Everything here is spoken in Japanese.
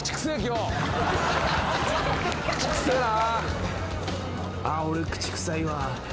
「俺口臭いわ」